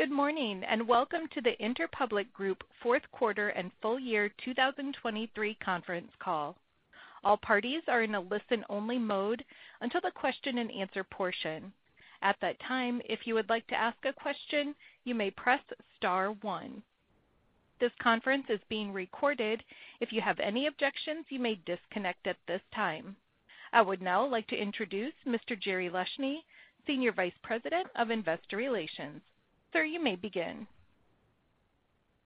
Good morning, and welcome to the Interpublic Group fourth quarter and full year 2023 conference call. All parties are in a listen-only mode until the question-and-answer portion. At that time, if you would like to ask a question, you may press star one. This conference is being recorded. If you have any objections, you may disconnect at this time. I would now like to introduce Mr. Jerry Leshne, Senior Vice President of Investor Relations. Sir, you may begin.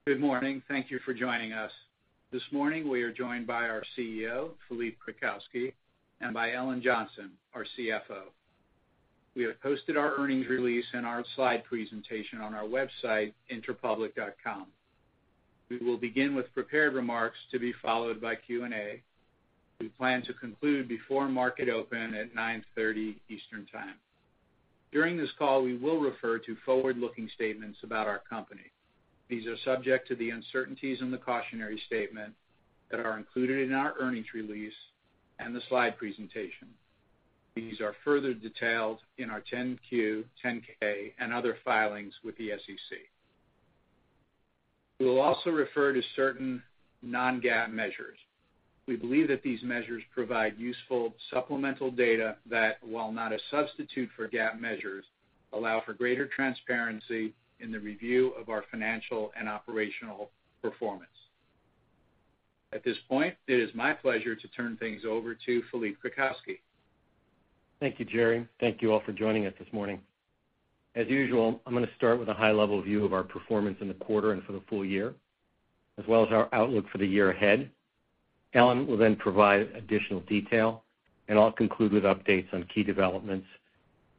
Good morning. Thank you for joining us. This morning, we are joined by our CEO, Philippe Krakowsky, and by Ellen Johnson, our CFO. We have posted our earnings release and our slide presentation on our website, interpublic.com. We will begin with prepared remarks to be followed by Q&A. We plan to conclude before market open at 9:30 Eastern Time. During this call, we will refer to forward-looking statements about our company. These are subject to the uncertainties and the cautionary statement that are included in our earnings release and the slide presentation. These are further detailed in our Form 10-Q, Form 10-K, and other filings with the SEC. We will also refer to certain non-GAAP measures. We believe that these measures provide useful supplemental data that, while not a substitute for GAAP measures, allow for greater transparency in the review of our financial and operational performance. At this point, it is my pleasure to turn things over to Philippe Krakowsky. Thank you, Jerry. Thank you all for joining us this morning. As usual, I'm going to start with a high-level view of our performance in the quarter and for the full year, as well as our outlook for the year ahead. Ellen will then provide additional detail, and I'll conclude with updates on key developments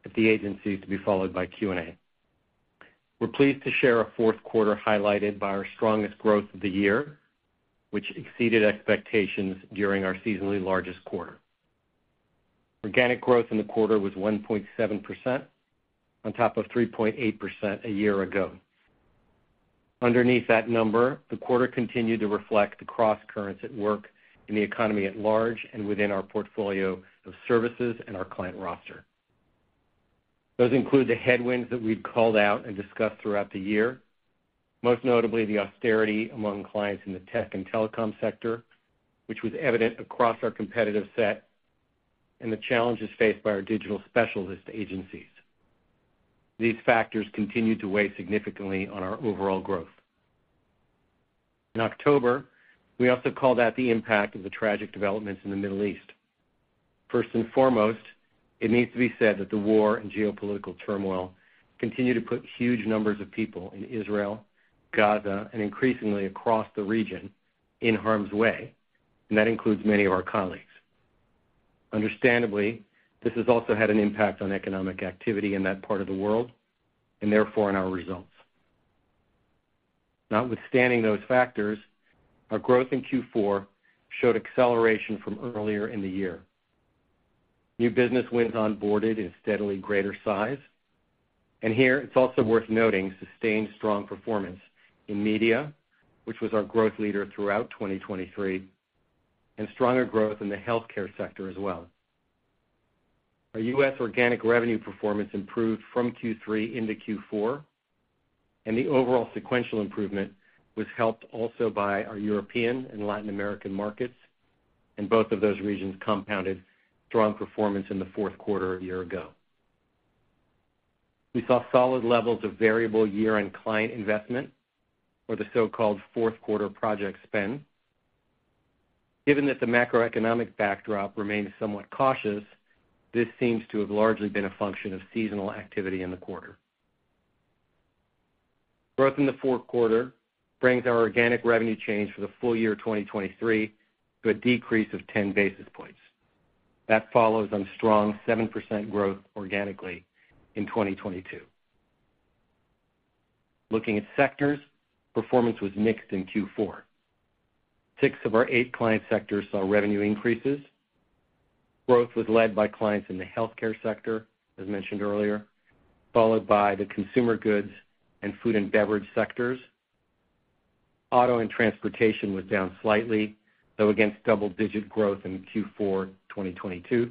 at the agencies to be followed by Q&A. We're pleased to share a fourth quarter highlighted by our strongest growth of the year, which exceeded expectations during our seasonally largest quarter. Organic growth in the quarter was 1.7% on top of 3.8% a year ago. Underneath that number, the quarter continued to reflect the crosscurrents at work in the economy at large and within our portfolio of services and our client roster. Those include the headwinds that we've called out and discussed throughout the year, most notably the austerity among clients in the tech and telecom sector, which was evident across our competitive set and the challenges faced by our digital specialist agencies. These factors continued to weigh significantly on our overall growth. In October, we also called out the impact of the tragic developments in the Middle East. First and foremost, it needs to be said that the war and geopolitical turmoil continue to put huge numbers of people in Israel, Gaza, and increasingly across the region in harm's way, and that includes many of our colleagues. Understandably, this has also had an impact on economic activity in that part of the world and therefore in our results. Notwithstanding those factors, our growth in Q4 showed acceleration from earlier in the year. New business wins onboarded in steadily greater size, and here it's also worth noting sustained strong performance in media, which was our growth leader throughout 2023, and stronger growth in the healthcare sector as well. Our U.S. organic revenue performance improved from Q3 into Q4, and the overall sequential improvement was helped also by our European and Latin American markets, and both of those regions compounded strong performance in the fourth quarter a year ago. We saw solid levels of variable year-end client investment, or the so-called fourth quarter project spend. Given that the macroeconomic backdrop remains somewhat cautious, this seems to have largely been a function of seasonal activity in the quarter. Growth in the fourth quarter brings our organic revenue change for the full year 2023 to a decrease of 10 basis points. That follows on strong 7% growth organically in 2022. Looking at sectors, performance was mixed in Q4. Six of our eight client sectors saw revenue increases. Growth was led by clients in the healthcare sector, as mentioned earlier, followed by the consumer goods and food and beverage sectors. Auto and transportation was down slightly, though, against double-digit growth in Q4 2022.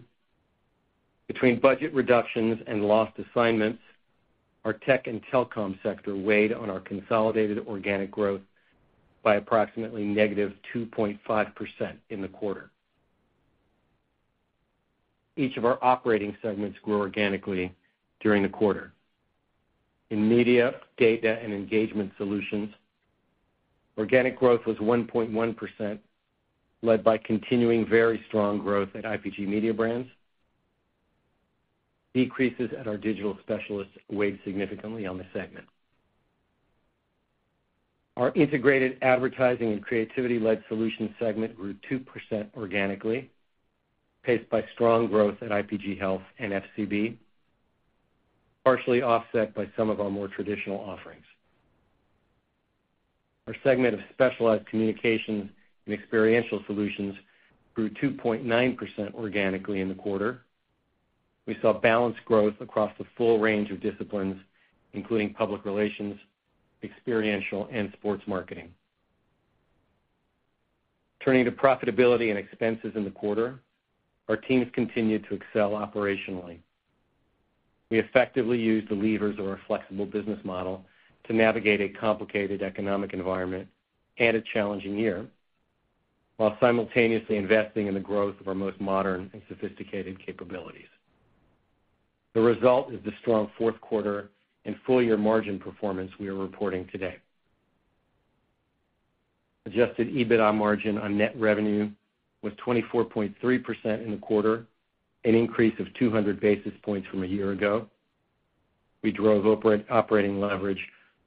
Between budget reductions and lost assignments, our tech and telecom sector weighed on our consolidated organic growth by approximately -2.5% in the quarter. Each of our operating segments grew organically during the quarter. In Media, Data and Engagement Solutions, organic growth was 1.1%, led by continuing very strong growth at IPG Mediabrands. Decreases at our digital specialists weighed significantly on the segment. Our Integrated Advertising and Creativity-Led Solutions segment grew 2% organically, paced by strong growth at IPG Health and FCB, partially offset by some of our more traditional offerings. Our segment of Specialized Communications and Experiential Solutions grew 2.9% organically in the quarter. We saw balanced growth across the full range of disciplines, including public relations, experiential, and sports marketing. Turning to profitability and expenses in the quarter, our teams continued to excel operationally. We effectively used the levers of our flexible business model to navigate a complicated economic environment and a challenging year, while simultaneously investing in the growth of our most modern and sophisticated capabilities. The result is the strong fourth quarter and full-year margin performance we are reporting today. Adjusted EBITDA margin on net revenue was 24.3% in the quarter, an increase of 200 basis points from a year ago. We drove operating leverage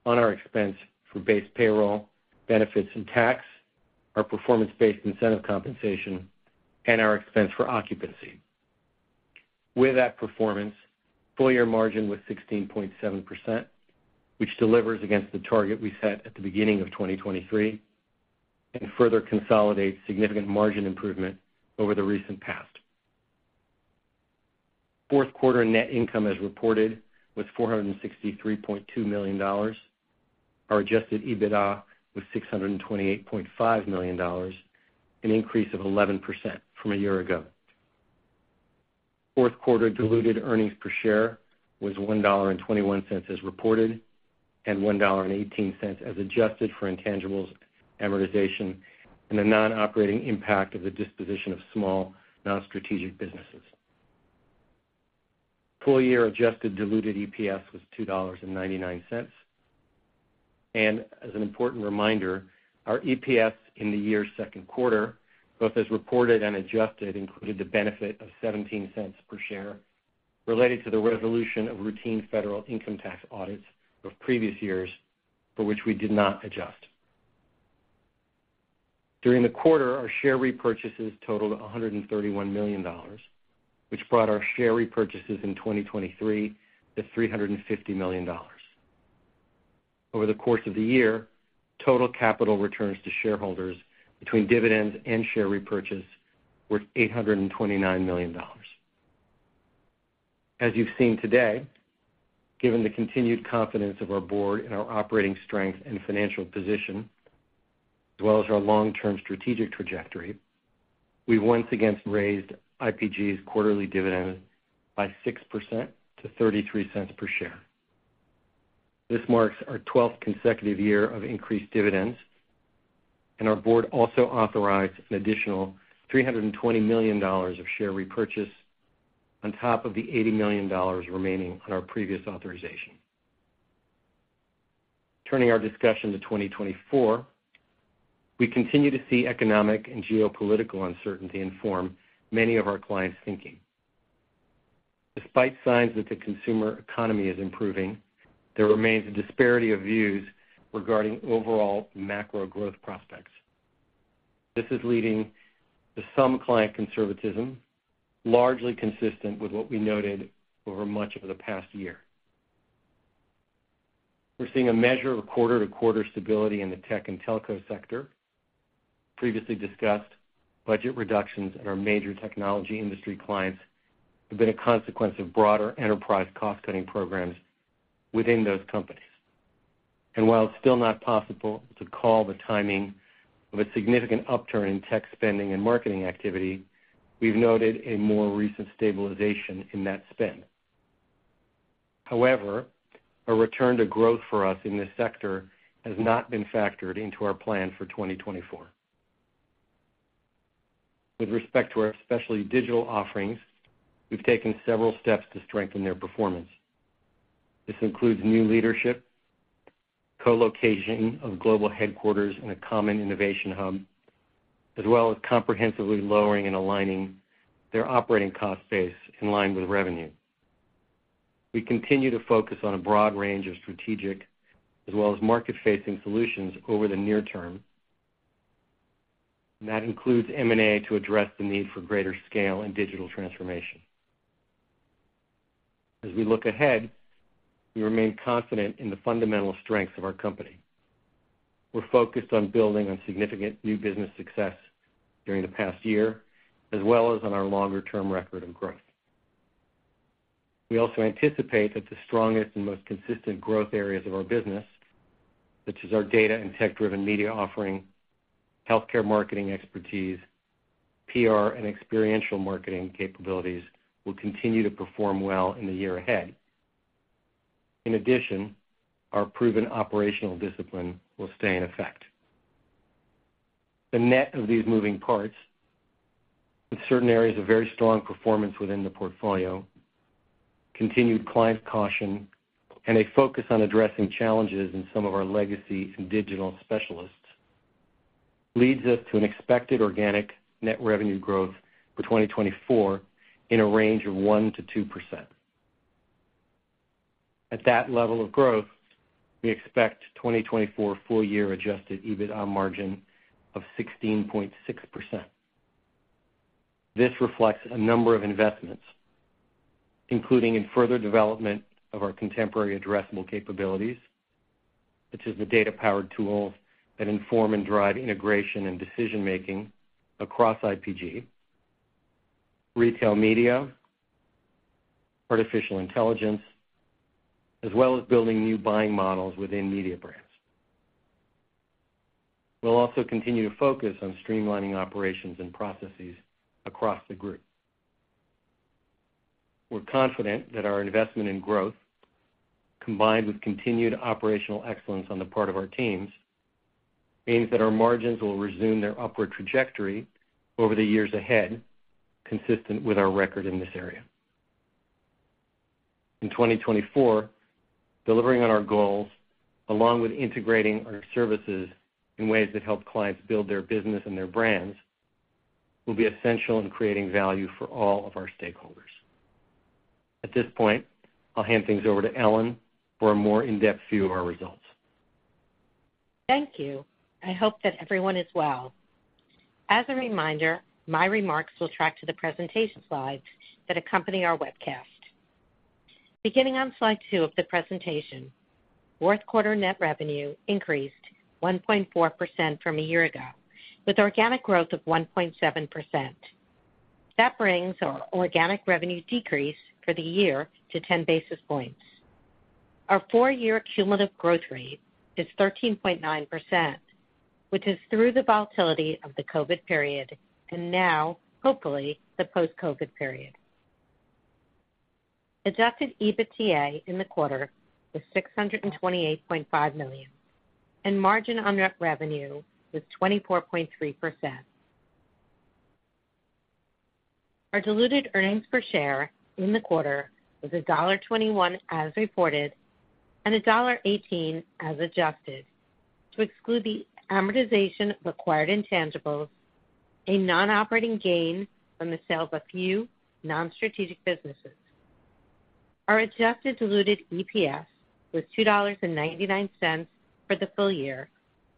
on our expense for base payroll, benefits and tax, our performance-based incentive compensation, and our expense for occupancy. With that performance, full-year margin was 16.7%, which delivers against the target we set at the beginning of 2023 and further consolidates significant margin improvement over the recent past. Fourth quarter net income, as reported, was $463.2 million. Our adjusted EBITDA was $628.5 million, an increase of 11% from a year ago. Fourth quarter diluted earnings per share was $1.21 as reported, and $1.18 as adjusted for intangibles, amortization, and the non-operating impact of the disposition of small, non-strategic businesses. Full-year adjusted diluted EPS was $2.99. As an important reminder, our EPS in the year's second quarter, both as reported and adjusted, included the benefit of $0.17 per share related to the resolution of routine federal income tax audits of previous years, for which we did not adjust. During the quarter, our share repurchases totaled $131 million, which brought our share repurchases in 2023 to $350 million. Over the course of the year, total capital returns to shareholders between dividends and share repurchase were $829 million. As you've seen today, given the continued confidence of our board in our operating strength and financial position, as well as our long-term strategic trajectory, we once again raised IPG's quarterly dividend by 6% to $0.33 per share. This marks our 12th consecutive year of increased dividends, and our board also authorized an additional $320 million of share repurchase on top of the $80 million remaining on our previous authorization. Turning our discussion to 2024, we continue to see economic and geopolitical uncertainty inform many of our clients' thinking. Despite signs that the consumer economy is improving, there remains a disparity of views regarding overall macro growth prospects. This is leading to some client conservatism, largely consistent with what we noted over much of the past year. We're seeing a measure of quarter-to-quarter stability in the tech and telco sector. Previously discussed budget reductions at our major technology industry clients have been a consequence of broader enterprise cost-cutting programs within those companies. While it's still not possible to call the timing of a significant upturn in tech spending and marketing activity, we've noted a more recent stabilization in that spend. However, a return to growth for us in this sector has not been factored into our plan for 2024. With respect to our specialty digital offerings, we've taken several steps to strengthen their performance. This includes new leadership, co-location of global headquarters in a common innovation hub, as well as comprehensively lowering and aligning their operating cost base in line with revenue. We continue to focus on a broad range of strategic as well as market-facing solutions over the near term, and that includes M&A to address the need for greater scale and digital transformation. As we look ahead, we remain confident in the fundamental strengths of our company. We're focused on building on significant new business success during the past year, as well as on our longer-term record of growth. We also anticipate that the strongest and most consistent growth areas of our business, which is our data and tech-driven media offering, healthcare marketing expertise, PR, and experiential marketing capabilities, will continue to perform well in the year ahead. In addition, our proven operational discipline will stay in effect. The net of these moving parts, with certain areas of very strong performance within the portfolio, continued client caution, and a focus on addressing challenges in some of our legacy and digital specialists, leads us to an expected organic net revenue growth for 2024 in a range of 1%-2%. At that level of growth, we expect 2024 full year adjusted EBITDA margin of 16.6%. This reflects a number of investments, including in further development of our contemporary addressable capabilities, which is the data-powered tools that inform and drive integration and decision-making across IPG, retail media, artificial intelligence, as well as building new buying models within Mediabrands. We'll also continue to focus on streamlining operations and processes across the group. We're confident that our investment in growth, combined with continued operational excellence on the part of our teams, means that our margins will resume their upward trajectory over the years ahead, consistent with our record in this area. In 2024, delivering on our goals, along with integrating our services in ways that help clients build their business and their brands, will be essential in creating value for all of our stakeholders. At this point, I'll hand things over to Ellen for a more in-depth view of our results. Thank you. I hope that everyone is well. As a reminder, my remarks will track to the presentation slides that accompany our webcast. Beginning on slide two of the presentation, fourth quarter net revenue increased 1.4% from a year ago, with organic growth of 1.7%. That brings our organic revenue decrease for the year to 10 basis points. Our four-year cumulative growth rate is 13.9%, which is through the volatility of the COVID period, and now, hopefully, the post-COVID period. Adjusted EBITDA in the quarter was $628.5 million, and margin on net revenue was 24.3%. Our diluted earnings per share in the quarter was $1.21 as reported, and $1.18 as adjusted, to exclude the amortization of acquired intangibles, a non-operating gain from the sale of a few non-strategic businesses. Our adjusted diluted EPS was $2.99 for the full year,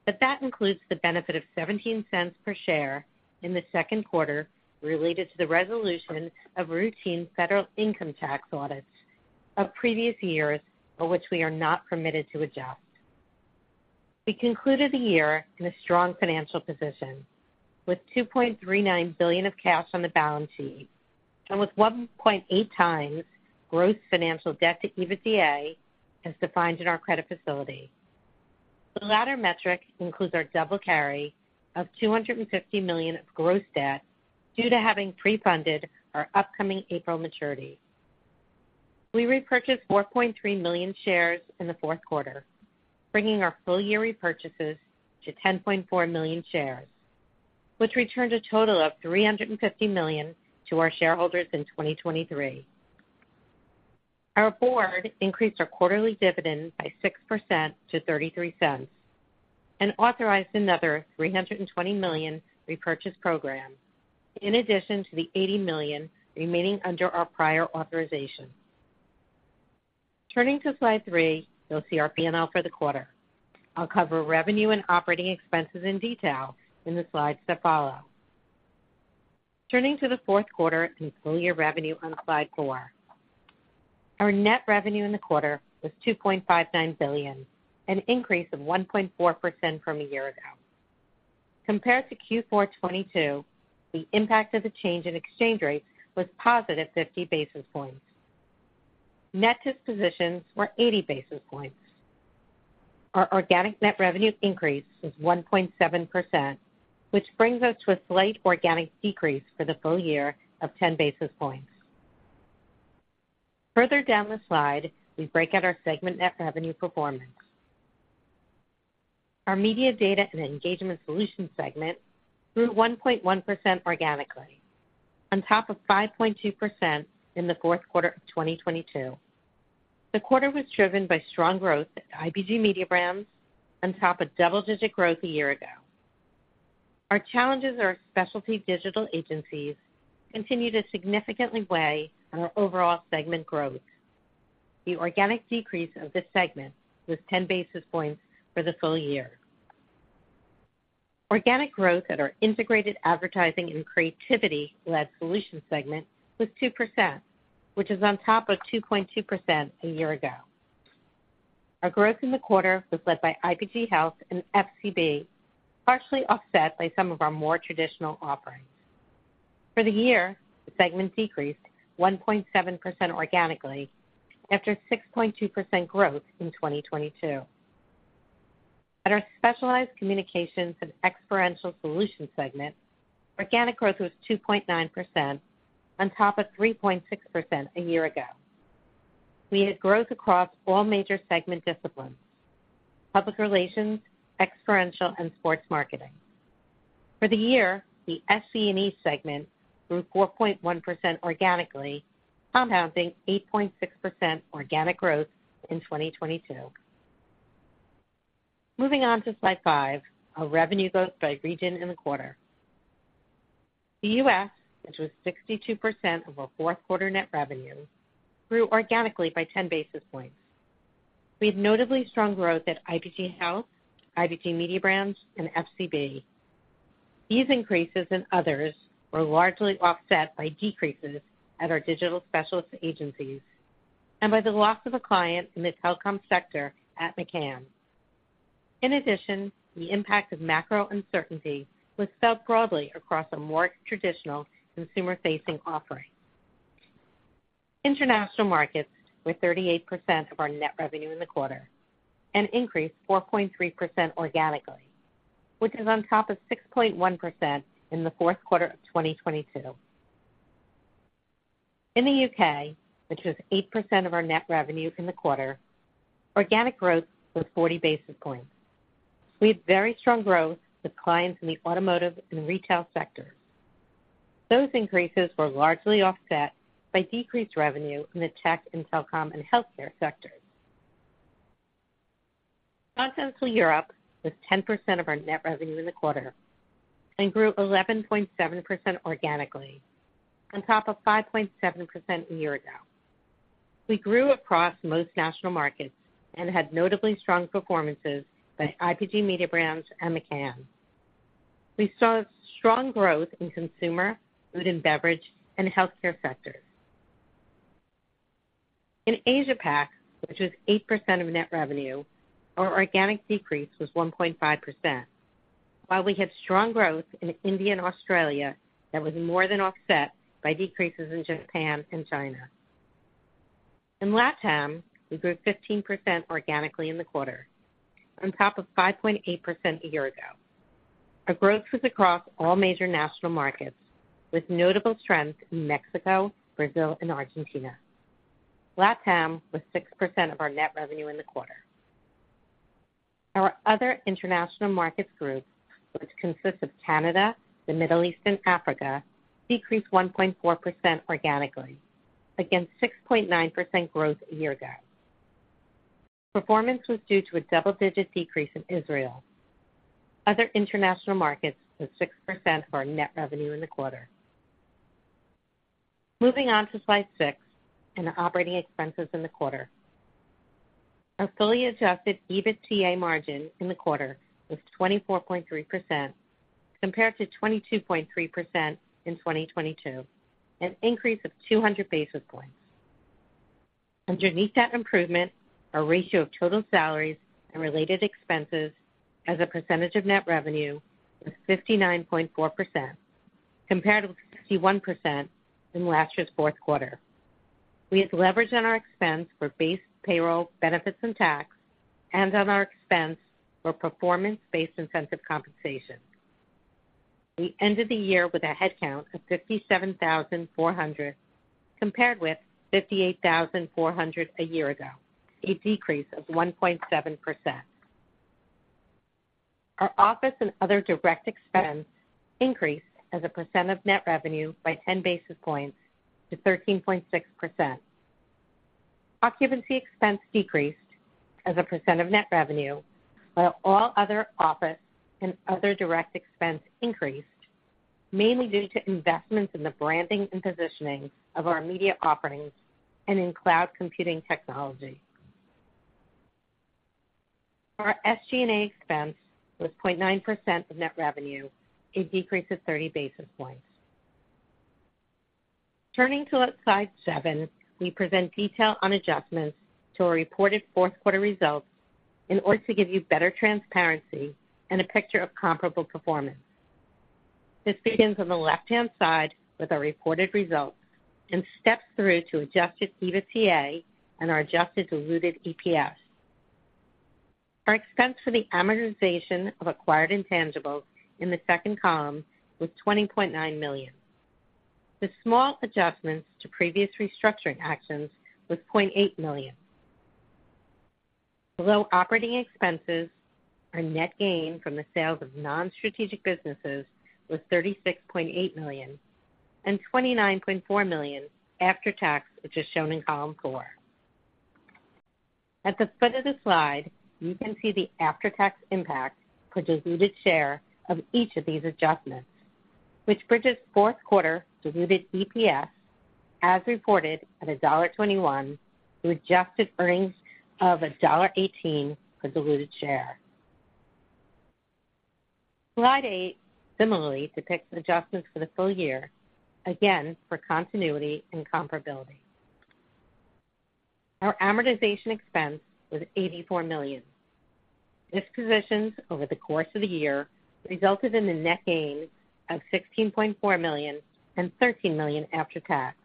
but that includes the benefit of $0.17 per share in the second quarter related to the resolution of routine federal income tax audits of previous years, for which we are not permitted to adjust. We concluded the year in a strong financial position, with $2.39 billion of cash on the balance sheet, and with 1.8x gross financial debt to EBITDA, as defined in our credit facility. The latter metric includes our double carry of $250 million of gross debt due to having pre-funded our upcoming April maturity. We repurchased 4.3 million shares in the fourth quarter, bringing our full-year repurchases to 10.4 million shares, which returned a total of $350 million to our shareholders in 2023. Our board increased our quarterly dividend by 6% to $0.33 and authorized another $320 million repurchase program, in addition to the $80 million remaining under our prior authorization. Turning to slide three, you'll see our P&L for the quarter. I'll cover revenue and operating expenses in detail in the slides that follow. Turning to the fourth quarter and full year revenue on slide four. Our net revenue in the quarter was $2.59 billion, an increase of 1.4% from a year ago. Compared to Q4 2022, the impact of the change in exchange rates was +50 basis points. Net dispositions were 80 basis points. Our organic net revenue increase was 1.7%, which brings us to a slight organic decrease for the full year of -10 basis points. Further down the slide, we break out our segment net revenue performance. Our Media, Data, and Engagement Solutions segment grew 1.1% organically, on top of 5.2% in the fourth quarter of 2022. The quarter was driven by strong growth at IPG Mediabrands, on top of double-digit growth a year ago. Our challenges at our specialty digital agencies continued to significantly weigh on our overall segment growth. The organic decrease of this segment was 10 basis points for the full year. Organic growth at our Integrated Advertising and Creativity-Led Solutions segment was 2%, which is on top of 2.2% a year ago. Our growth in the quarter was led by IPG Health and FCB, partially offset by some of our more traditional offerings. For the year, the segment decreased 1.7% organically, after 6.2% growth in 2022. At our Specialized Communications and Experiential Solutions segment, organic growth was 2.9%, on top of 3.6% a year ago. We had growth across all major segment disciplines: public relations, experiential, and sports marketing. For the year, the SC&E segment grew 4.1% organically, compounding 8.6% organic growth in 2022. Moving on to slide five, our revenue growth by region in the quarter. The U.S., which was 62% of our fourth quarter net revenue, grew organically by 10 basis points. We had notably strong growth at IPG Health, IPG Mediabrands, and FCB. These increases and others were largely offset by decreases at our digital specialist agencies and by the loss of a client in the telecom sector at McCann. In addition, the impact of macro uncertainty was felt broadly across a more traditional consumer-facing offerings. International markets, with 38% of our net revenue in the quarter, increased 4.3% organically, which is on top of 6.1% in the fourth quarter of 2022. In the U.K., which was 8% of our net revenue in the quarter, organic growth was 40 basis points. We had very strong growth with clients in the automotive and retail sectors. Those increases were largely offset by decreased revenue in the tech and telecom and healthcare sectors. Continental Europe was 10% of our net revenue in the quarter and grew 11.7% organically, on top of 5.7% a year ago. We grew across most national markets and had notably strong performances by IPG Mediabrands and McCann. We saw strong growth in consumer, food and beverage, and healthcare sectors. In Asia-Pac, which was 8% of net revenue, our organic decrease was 1.5%, while we had strong growth in India and Australia, that was more than offset by decreases in Japan and China. In LatAm, we grew 15% organically in the quarter, on top of 5.8% a year ago. Our growth was across all major national markets, with notable strength in Mexico, Brazil and Argentina. LatAm was 6% of our net revenue in the quarter. Our other international markets group, which consists of Canada, the Middle East and Africa, decreased 1.4% organically against 6.9% growth a year ago. Performance was due to a double-digit decrease in Israel. Other international markets was 6% of our net revenue in the quarter. Moving on to slide six, and operating expenses in the quarter. Our fully adjusted EBITDA margin in the quarter was 24.3%, compared to 22.3% in 2022, an increase of 200 basis points. Underneath that improvement, our ratio of total salaries and related expenses as a percentage of net revenue was 59.4%, compared with 51% in last year's fourth quarter. We had leverage on our expense for base payroll, benefits and tax, and on our expense for performance-based incentive compensation. We ended the year with a headcount of 57,400, compared with 58,400 a year ago, a decrease of 1.7%. Our office and other direct expenses increased as a percent of net revenue by 10 basis points to 13.6%. Occupancy expense decreased as a percent of net revenue, while all other office and other direct expense increased, mainly due to investments in the branding and positioning of our media offerings and in cloud computing technology. Our SG&A expense was 0.9% of net revenue, a decrease of 30 basis points. Turning to slide seven, we present detail on adjustments to our reported fourth quarter results in order to give you better transparency and a picture of comparable performance. This begins on the left-hand side with our reported results and steps through to adjusted EBITDA and our adjusted diluted EPS. Our expense for the amortization of acquired intangibles in the second column was $20.9 million. The small adjustments to previous restructuring actions was $0.8 million. Below operating expenses, our net gain from the sales of non-strategic businesses was $36.8 million and $29.4 million after tax, which is shown in column four. At the foot of the slide, you can see the after-tax impact for diluted share of each of these adjustments, which bridges fourth quarter diluted EPS as reported at $1.21 to adjusted earnings of $1.18 for diluted share. Slide eight similarly depicts the adjustments for the full year, again, for continuity and comparability. Our amortization expense was $84 million. Dispositions over the course of the year resulted in a net gain of $16.4 million and $13 million after tax.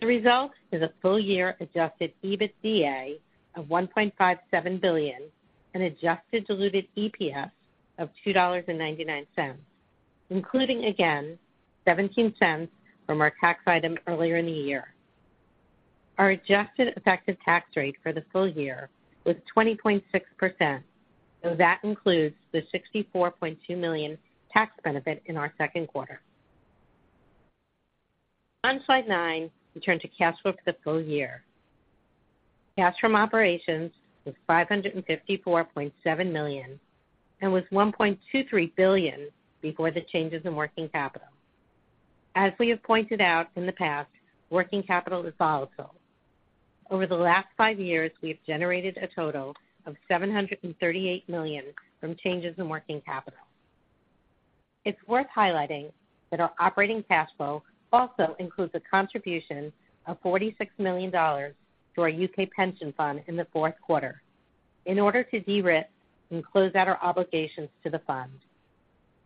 The result is a full-year adjusted EBITDA of $1.57 billion and adjusted diluted EPS of $2.99, including, again, $0.17 from our tax item earlier in the year. Our adjusted effective tax rate for the full year was 20.6%, so that includes the $64.2 million tax benefit in our second quarter. On slide nine, we turn to cash flow for the full year. Cash from operations was $554.7 million and was $1.23 billion before the changes in working capital. As we have pointed out in the past, working capital is volatile. Over the last five years, we have generated a total of $738 million from changes in working capital. It's worth highlighting that our operating cash flow also includes a contribution of $46 million to our U.K. pension fund in the fourth quarter in order to de-risk and close out our obligations to the fund.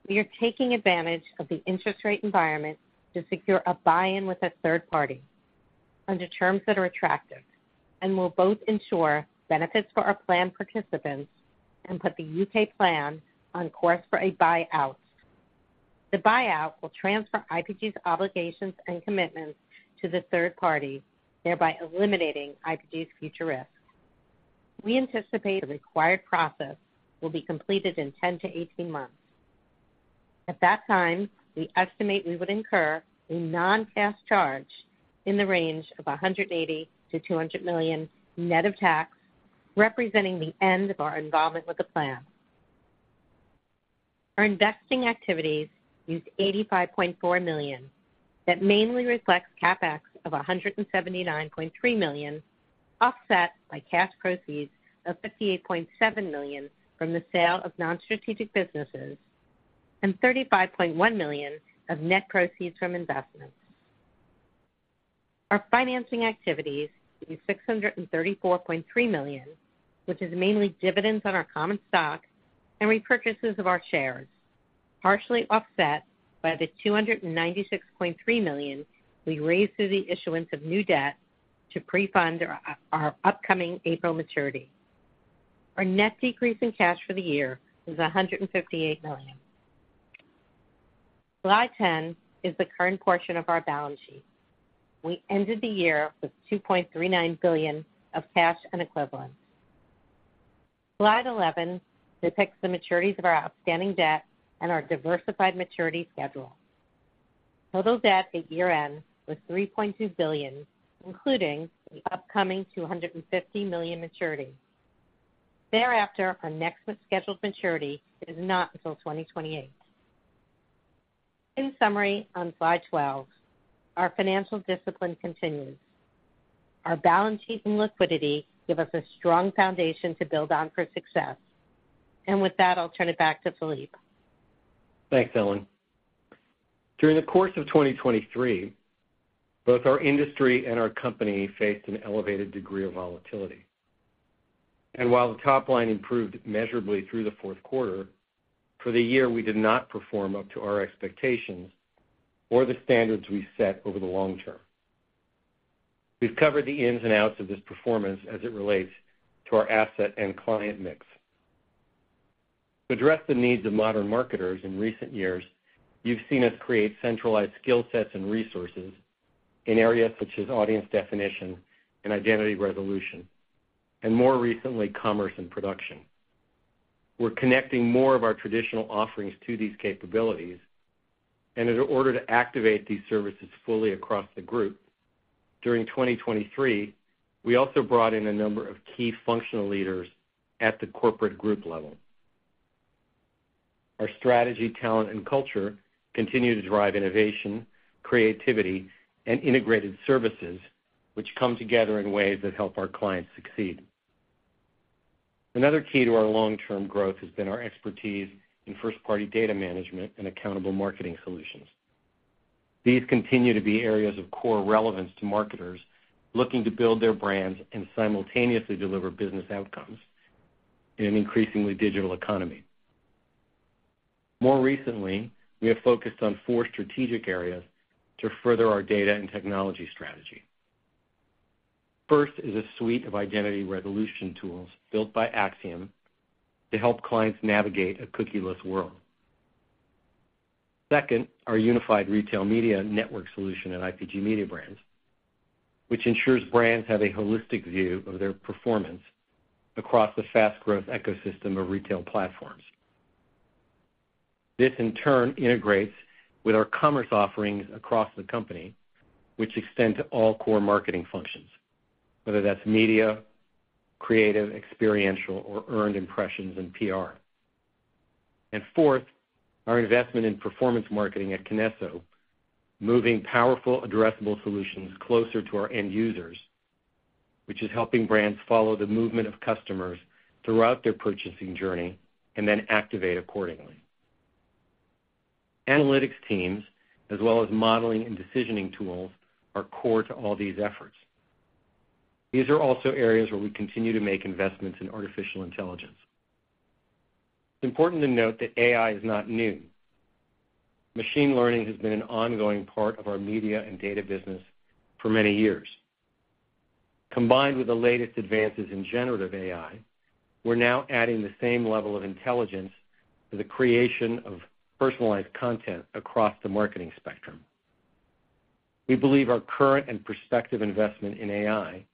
We are taking advantage of the interest rate environment to secure a buy-in with a third party under terms that are attractive and will both ensure benefits for our plan participants and put the U.K. plan on course for a buyout. The buyout will transfer IPG's obligations and commitments to the third party, thereby eliminating IPG's future risks. We anticipate the required process will be completed in 10-18 months. At that time, we estimate we would incur a non-cash charge in the range of $180 million-$200 million, net of tax, representing the end of our involvement with the plan. Our investing activities used $85.4 million. That mainly reflects CapEx of $179.3 million, offset by cash proceeds of $58.7 million from the sale of non-strategic businesses and $35.1 million of net proceeds from investments. Our financing activities is $634.3 million, which is mainly dividends on our common stock and repurchases of our shares, partially offset by the $296.3 million we raised through the issuance of new debt to pre-fund our, our upcoming April maturity. Our net decrease in cash for the year was $158 million. Slide 10 is the current portion of our balance sheet. We ended the year with $2.39 billion of cash and equivalents. Slide 11 depicts the maturities of our outstanding debt and our diversified maturity schedule. Total debt at year-end was $3.2 billion, including the upcoming $250 million maturity. Thereafter, our next scheduled maturity is not until 2028. In summary, on slide 12, our financial discipline continues. Our balance sheet and liquidity give us a strong foundation to build on for success. And with that, I'll turn it back to Philippe. Thanks, Ellen. During the course of 2023, both our industry and our company faced an elevated degree of volatility. While the top line improved measurably through the fourth quarter, for the year, we did not perform up to our expectations or the standards we set over the long term. We've covered the ins and outs of this performance as it relates to our asset and client mix. To address the needs of modern marketers in recent years, you've seen us create centralized skill sets and resources in areas such as audience definition and identity resolution, and more recently, commerce and production. We're connecting more of our traditional offerings to these capabilities, and in order to activate these services fully across the group, during 2023, we also brought in a number of key functional leaders at the corporate group level. Our strategy, talent, and culture continue to drive innovation, creativity, and integrated services, which come together in ways that help our clients succeed. Another key to our long-term growth has been our expertise in first-party data management and accountable marketing solutions. These continue to be areas of core relevance to marketers looking to build their brands and simultaneously deliver business outcomes in an increasingly digital economy. More recently, we have focused on four strategic areas to further our data and technology strategy. First is a suite of identity resolution tools built by Acxiom to help clients navigate a cookieless world. Second, our unified retail media network solution at IPG Mediabrands, which ensures brands have a holistic view of their performance across the fast growth ecosystem of retail platforms. This, in turn, integrates with our commerce offerings across the company, which extend to all core marketing functions, whether that's media, creative, experiential, or earned impressions in PR. And fourth, our investment in performance marketing at KINESSO, moving powerful addressable solutions closer to our end users, which is helping brands follow the movement of customers throughout their purchasing journey and then activate accordingly. Analytics teams, as well as modeling and decisioning tools, are core to all these efforts. These are also areas where we continue to make investments in artificial intelligence. It's important to note that AI is not new. Machine learning has been an ongoing part of our media and data business for many years. Combined with the latest advances in generative AI, we're now adding the same level of intelligence to the creation of personalized content across the marketing spectrum. We believe our current and prospective investment in AI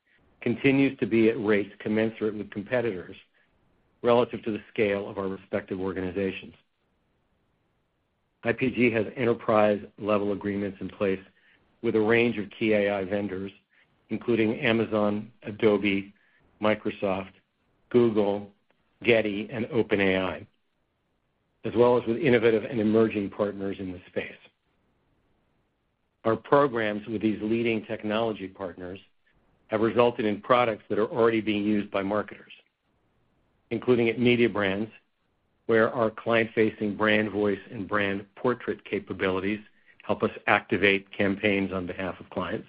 continues to be at rates commensurate with competitors relative to the scale of our respective organizations. IPG has enterprise-level agreements in place with a range of key AI vendors, including Amazon, Adobe, Microsoft, Google, Getty, and OpenAI, as well as with innovative and emerging partners in this space... Our programs with these leading technology partners have resulted in products that are already being used by marketers, including at Mediabrands, where our client-facing BrandVoice and BrandPortrait capabilities help us activate campaigns on behalf of clients.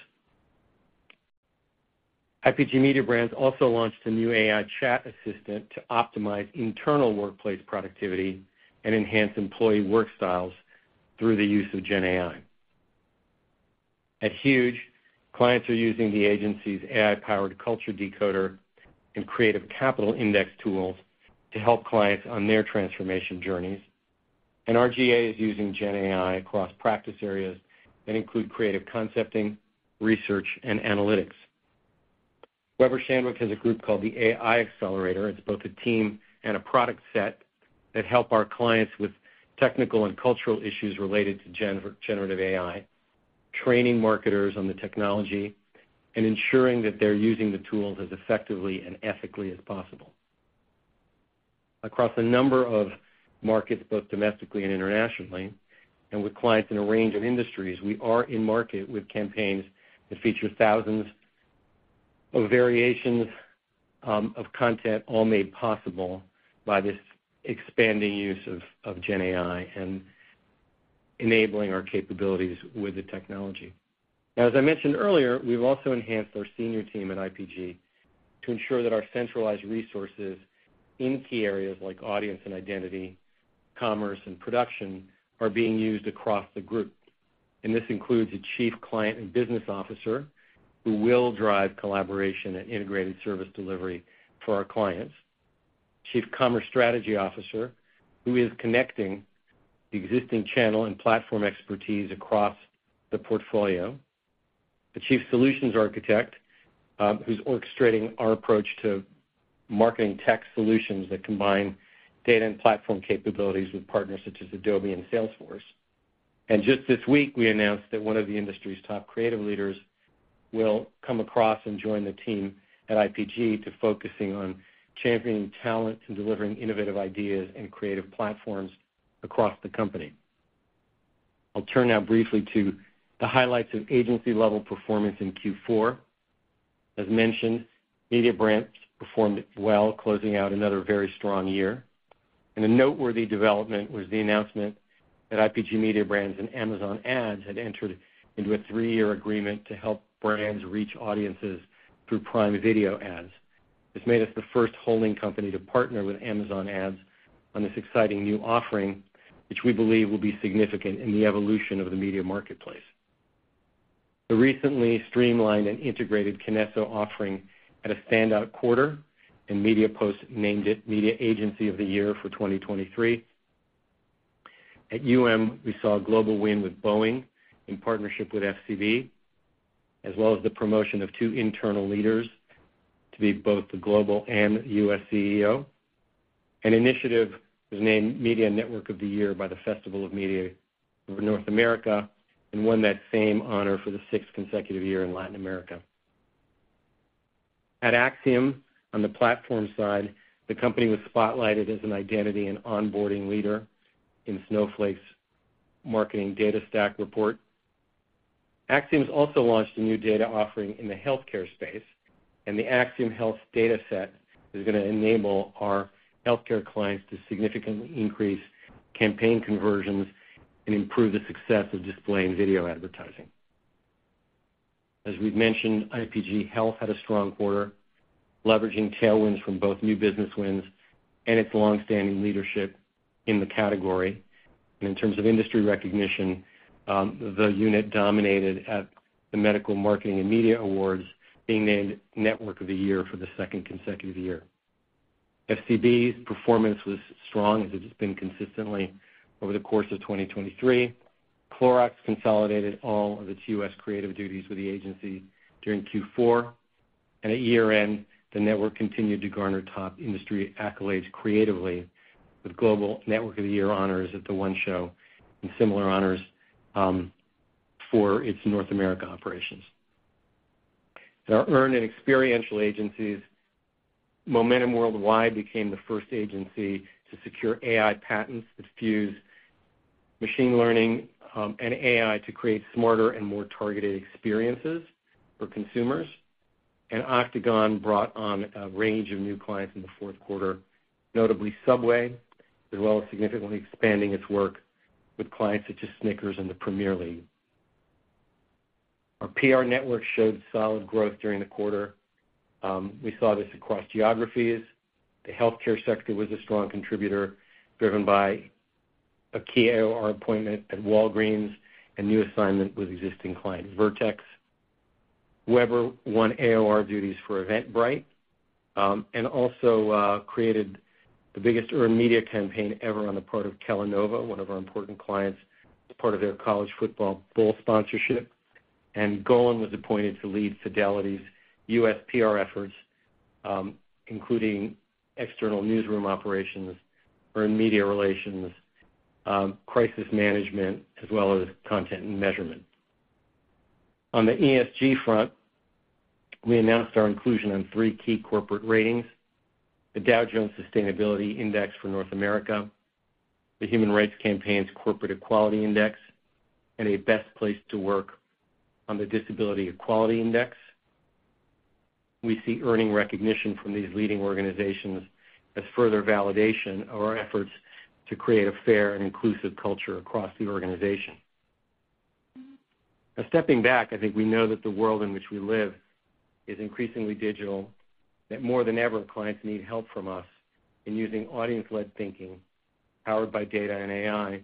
IPG Mediabrands also launched a new AI chat assistant to optimize internal workplace productivity and enhance employee work styles through the use of GenAI. At Huge, clients are using the agency's AI-powered Culture Decoder and Creative Capital Index tools to help clients on their transformation journeys. R/GA is using GenAI across practice areas that include creative concepting, research, and analytics. Weber Shandwick has a group called the AI Accelerator. It's both a team and a product set that help our clients with technical and cultural issues related to generative AI, training marketers on the technology, and ensuring that they're using the tools as effectively and ethically as possible. Across a number of markets, both domestically and internationally, and with clients in a range of industries, we are in market with campaigns that feature thousands of variations of content, all made possible by this expanding use of GenAI and enabling our capabilities with the technology. Now, as I mentioned earlier, we've also enhanced our senior team at IPG to ensure that our centralized resources in key areas like audience and identity, commerce, and production, are being used across the group. This includes a Chief Client and Business Officer, who will drive collaboration and integrated service delivery for our clients, Chief Commerce Strategy Officer, who is connecting the existing channel and platform expertise across the portfolio, the Chief Solutions Architect, who's orchestrating our approach to marketing tech solutions that combine data and platform capabilities with partners such as Adobe and Salesforce. And just this week, we announced that one of the industry's top creative leaders will come across and join the team at IPG to focus on championing talent and delivering innovative ideas and creative platforms across the company. I'll turn now briefly to the highlights of agency-level performance in Q4. As mentioned, Mediabrands performed well, closing out another very strong year, and a noteworthy development was the announcement that IPG Mediabrands and Amazon Ads had entered into a three-year agreement to help brands reach audiences through Prime Video ads. This made us the first holding company to partner with Amazon Ads on this exciting new offering, which we believe will be significant in the evolution of the media marketplace. The recently streamlined and integrated KINESSO offering had a standout quarter, and MediaPost named it Media Agency of the Year for 2023. At UM, we saw a global win with Boeing in partnership with FCB, as well as the promotion of two internal leaders to be both the global and U.S. CEO. Initiative was named Media Network of the Year by the Festival of Media over North America, and won that same honor for the sixth consecutive year in Latin America. At Acxiom, on the platform side, the company was spotlighted as an identity and onboarding leader in Snowflake's Marketing Data Stack report. Acxiom's also launched a new data offering in the healthcare space, and the Acxiom Health data set is going to enable our healthcare clients to significantly increase campaign conversions and improve the success of display and video advertising. As we've mentioned, IPG Health had a strong quarter, leveraging tailwinds from both new business wins and its long-standing leadership in the category. In terms of industry recognition, the unit dominated at the Medical Marketing and Media Awards, being named Network of the Year for the second consecutive year. FCB's performance was strong, as it has been consistently over the course of 2023. Clorox consolidated all of its U.S. creative duties with the agency during Q4, and at year-end, the network continued to garner top industry accolades creatively, with Global Network of the Year honors at the One Show and similar honors for its North America operations. In our earned and experiential agencies, Momentum Worldwide became the first agency to secure AI patents that fuse machine learning and AI to create smarter and more targeted experiences for consumers. And Octagon brought on a range of new clients in the fourth quarter, notably Subway, as well as significantly expanding its work with clients such as Snickers and the Premier League. Our PR network showed solid growth during the quarter. We saw this across geographies. The healthcare sector was a strong contributor, driven by a key AOR appointment at Walgreens and new assignment with existing client, Vertex. Weber won AOR duties for Eventbrite, and also, created the biggest earned media campaign ever on the part of Kellanova, one of our important clients, as part of their college football bowl sponsorship. Golin was appointed to lead Fidelity's U.S. PR efforts, including external newsroom operations, earned media relations, crisis management, as well as content and measurement. On the ESG front. We announced our inclusion on three key corporate ratings: the Dow Jones Sustainability Index for North America, the Human Rights Campaign's Corporate Equality Index, and a best place to work on the Disability Equality Index. We see earning recognition from these leading organizations as further validation of our efforts to create a fair and inclusive culture across the organization. Now, stepping back, I think we know that the world in which we live is increasingly digital, that more than ever, clients need help from us in using audience-led thinking, powered by data and AI,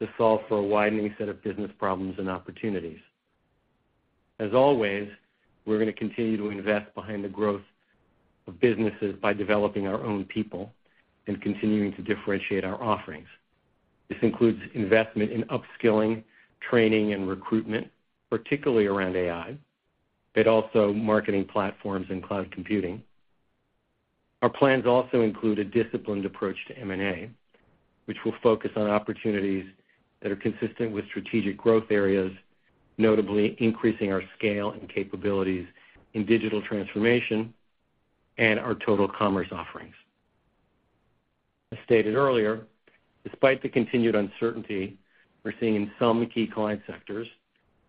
to solve for a widening set of business problems and opportunities. As always, we're going to continue to invest behind the growth of businesses by developing our own people and continuing to differentiate our offerings. This includes investment in upskilling, training, and recruitment, particularly around AI, but also marketing platforms and cloud computing. Our plans also include a disciplined approach to M&A, which will focus on opportunities that are consistent with strategic growth areas, notably increasing our scale and capabilities in digital transformation and our total commerce offerings. As stated earlier, despite the continued uncertainty we're seeing in some key client sectors,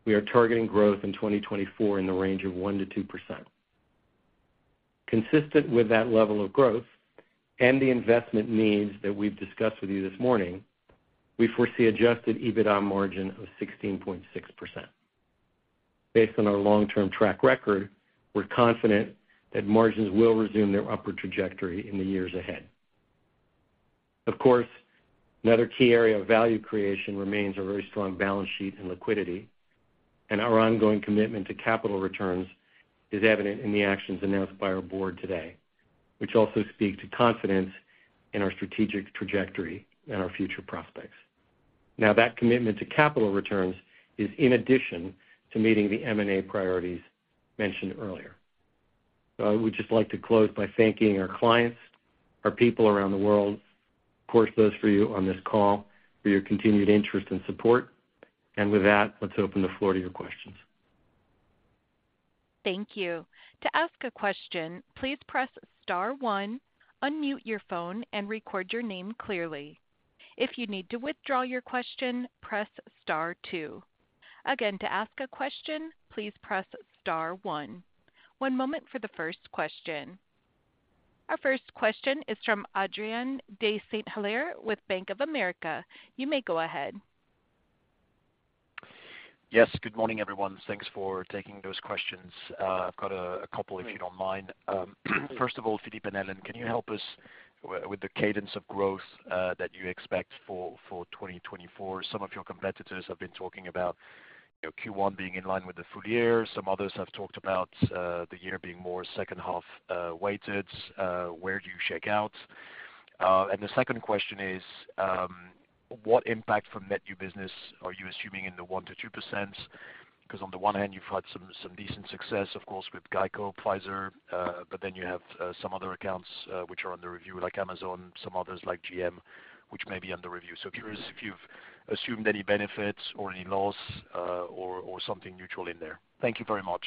we are targeting growth in 2024 in the range of 1%-2%. Consistent with that level of growth and the investment needs that we've discussed with you this morning, we foresee adjusted EBITDA margin of 16.6%. Based on our long-term track record, we're confident that margins will resume their upward trajectory in the years ahead. Of course, another key area of value creation remains a very strong balance sheet and liquidity, and our ongoing commitment to capital returns is evident in the actions announced by our board today, which also speak to confidence in our strategic trajectory and our future prospects. Now, that commitment to capital returns is in addition to meeting the M&A priorities mentioned earlier. I would just like to close by thanking our clients, our people around the world, of course, those for you on this call, for your continued interest and support. With that, let's open the floor to your questions. Thank you. To ask a question, please press star one, unmute your phone, and record your name clearly. If you need to withdraw your question, press star two. Again, to ask a question, please press star one. One moment for the first question. Our first question is from Adrien de Saint Hilaire with Bank of America. You may go ahead. Yes, good morning, everyone. Thanks for taking those questions. I've got a couple, if you don't mind. First of all, Philippe and Ellen, can you help us with the cadence of growth that you expect for 2024? Some of your competitors have been talking about, you know, Q1 being in line with the full year. Some others have talked about the year being more second half weighted. Where do you shake out? And the second question is, what impact from net new business are you assuming in the 1%-2%? Because on the one hand, you've had some decent success, of course, with GEICO, Pfizer, but then you have some other accounts which are under review, like Amazon, some others like GM, which may be under review. Curious if you've assumed any benefits or any loss, or something neutral in there? Thank you very much.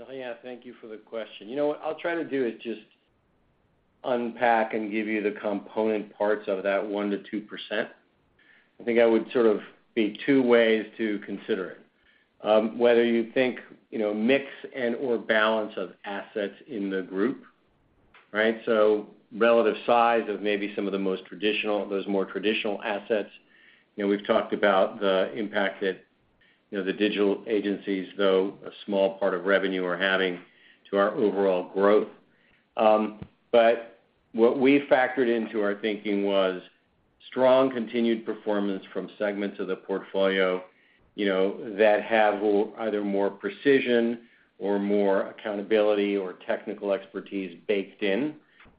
Oh, yeah, thank you for the question. You know what? I'll try to do is just unpack and give you the component parts of that 1%-2%. I think I would sort of be two ways to consider it. Whether you think, you know, mix and/or balance of assets in the group, right? So relative size of maybe some of the most traditional—those more traditional assets. You know, we've talked about the impact that, you know, the digital agencies, though a small part of revenue, are having to our overall growth. But what we factored into our thinking was strong continued performance from segments of the portfolio, you know, that have either more precision or more accountability or technical expertise baked in.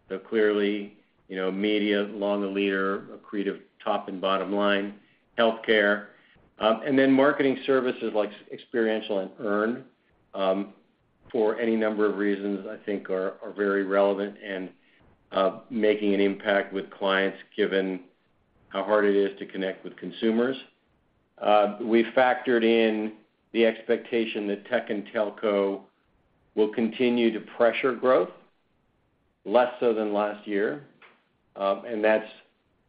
So clearly, you know, media, long a leader, a creative top and bottom line, healthcare, and then marketing services like experiential and earn, for any number of reasons, I think are very relevant and making an impact with clients given how hard it is to connect with consumers. We factored in the expectation that tech and telco will continue to pressure growth less so than last year. And that's,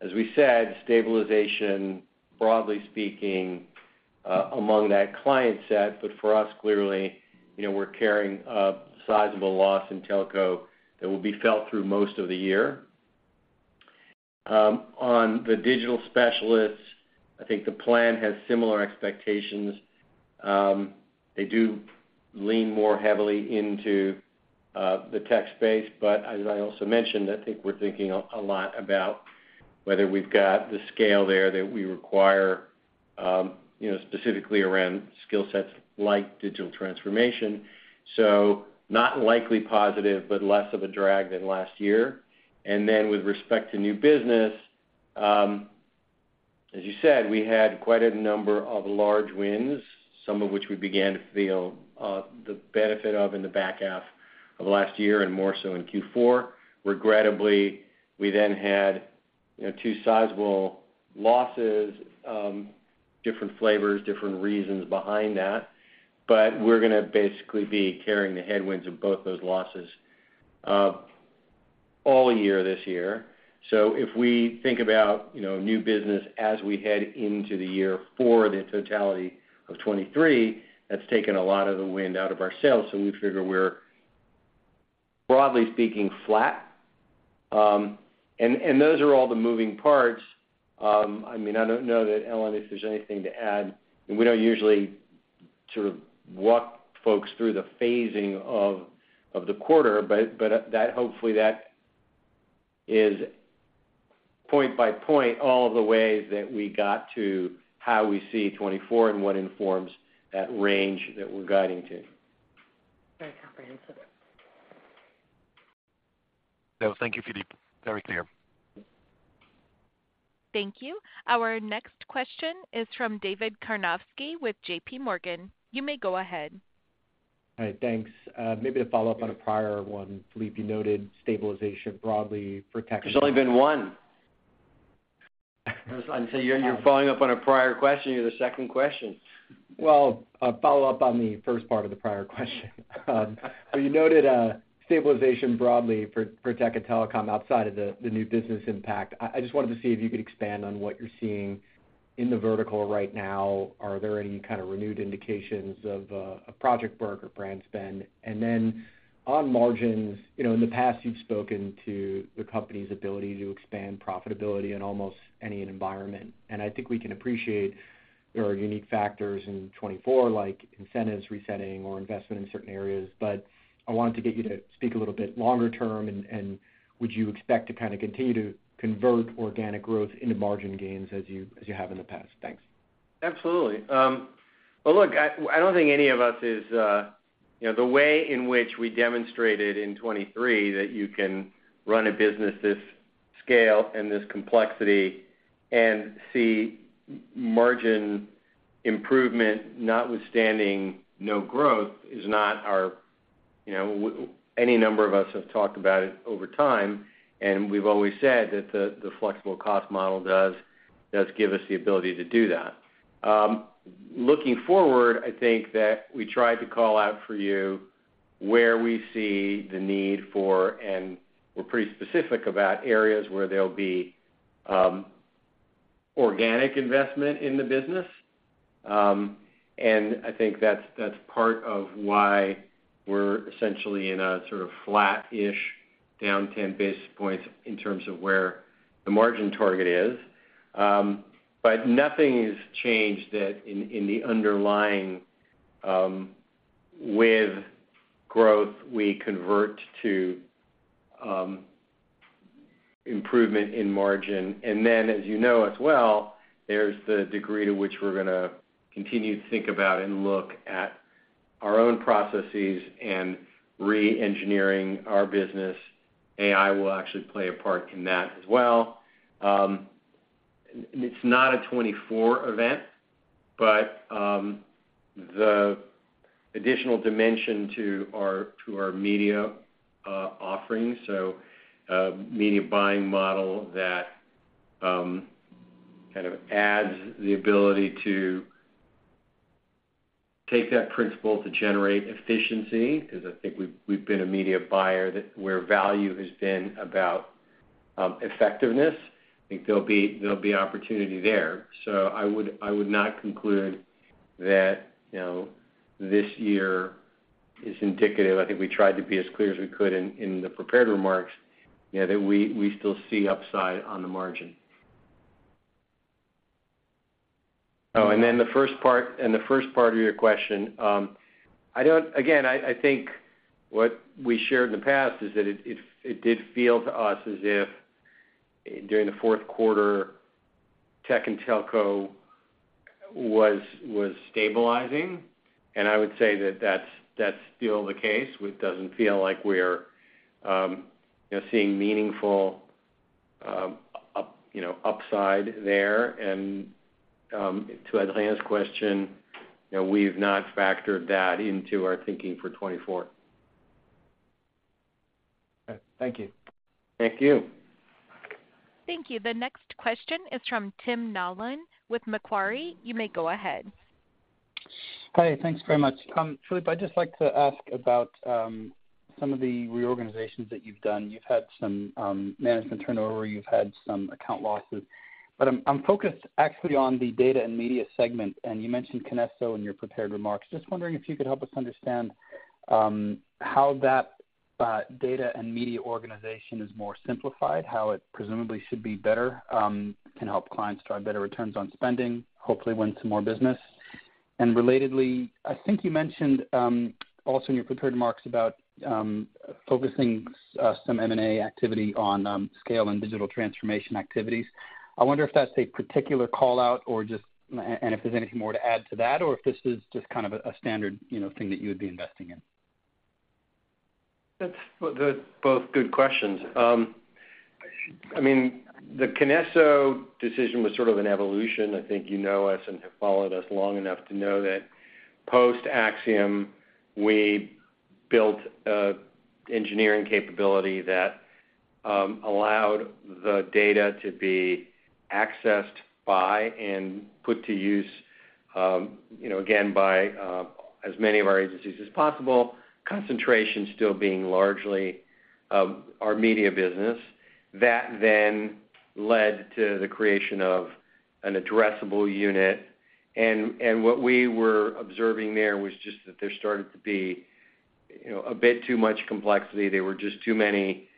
as we said, stabilization, broadly speaking, among that client set. But for us, clearly, you know, we're carrying a sizable loss in telco that will be felt through most of the year. On the digital specialists, I think the plan has similar expectations. They do lean more heavily into the tech space, but as I also mentioned, I think we're thinking a lot about whether we've got the scale there that we require, you know, specifically around skill sets like digital transformation. So not likely positive, but less of a drag than last year. And then with respect to new business, as you said, we had quite a number of large wins, some of which we began to feel the benefit of in the back half of last year and more so in Q4. Regrettably, we then had, you know, two sizable losses, different flavors, different reasons behind that. But we're gonna basically be carrying the headwinds of both those losses all year this year. So if we think about, you know, new business as we head into the year for the totality of 2023, that's taken a lot of the wind out of our sails, so we figure we're, broadly speaking, flat. And those are all the moving parts. I mean, I don't know that, Ellen, if there's anything to add, and we don't usually sort of walk folks through the phasing of the quarter, but hopefully, that is point by point, all the ways that we got to how we see 2024 and what informs that range that we're guiding to. Very comprehensive. No, thank you, Philippe. Very clear. Thank you. Our next question is from David Karnovsky with JPMorgan. You may go ahead. Hi, thanks. Maybe to follow up on a prior one, Philippe, you noted stabilization broadly for tech- There's only been one. I'd say you're, you're following up on a prior question. You're the second question. Well, a follow-up on the first part of the prior question. So you noted stabilization broadly for tech and telecom outside of the new business impact. I just wanted to see if you could expand on what you're seeing in the vertical right now. Are there any kind of renewed indications of a project break or brand spend? And then on margins, you know, in the past, you've spoken to the company's ability to expand profitability in almost any environment. And I think we can appreciate there are unique factors in 2024, like incentives resetting or investment in certain areas. But I wanted to get you to speak a little bit longer term, and would you expect to kind of continue to convert organic growth into margin gains as you have in the past? Thanks. Absolutely. Well, look, I don't think any of us is. You know, the way in which we demonstrated in 2023 that you can run a business this scale and this complexity and see margin improvement, notwithstanding no growth, is not our, you know. Any number of us have talked about it over time, and we've always said that the flexible cost model does give us the ability to do that. Looking forward, I think that we tried to call out for you where we see the need for, and we're pretty specific about areas where there'll be organic investment in the business. And I think that's part of why we're essentially in a sort of flat-ish, down 10 basis points in terms of where the margin target is. But nothing has changed that in, in the underlying, with growth, we convert to, improvement in margin. And then, as you know as well, there's the degree to which we're gonna continue to think about and look at our own processes and re-engineering our business. AI will actually play a part in that as well. It's not a 2024 event, but, the additional dimension to our, to our media, offerings, so, a media buying model that, kind of adds the ability to take that principal to generate efficiency, because I think we've, we've been a media buyer that, where value has been about, effectiveness. I think there'll be, there'll be opportunity there. So I would, I would not conclude that, you know, this year is indicative. I think we tried to be as clear as we could in the prepared remarks, you know, that we still see upside on the margin. Oh, and then the first part of your question, I don't. Again, I think what we shared in the past is that it did feel to us as if during the fourth quarter, tech and telco was stabilizing, and I would say that that's still the case. It doesn't feel like we're, you know, seeing meaningful upside there. And to Adrian's question, you know, we've not factored that into our thinking for 2024. Okay. Thank you. Thank you. Thank you. The next question is from Tim Nollen with Macquarie. You may go ahead. Hi, thanks very much. Philippe, I'd just like to ask about some of the reorganizations that you've done. You've had some management turnover, you've had some account losses, but I'm focused actually on the data and media segment, and you mentioned KINESSO in your prepared remarks. Just wondering if you could help us understand how that data and media organization is more simplified, how it presumably should be better, can help clients drive better returns on spending, hopefully win some more business. And relatedly, I think you mentioned also in your prepared remarks about focusing some M&A activity on scale and digital transformation activities. I wonder if that's a particular call-out or just, and if there's anything more to add to that, or if this is just kind of a standard, you know, thing that you would be investing in. That's both good questions. I mean, the KINESSO decision was sort of an evolution. I think you know us and have followed us long enough to know that post-Acxiom, we built an engineering capability that allowed the data to be accessed by and put to use, you know, again, by as many of our agencies as possible, concentration still being largely our media business. That then led to the creation of an addressable unit. And what we were observing there was just that there started to be, you know, a bit too much complexity. There were just too many